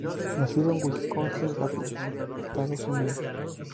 Nacido en Wisconsin Rapids, Estados Unidos.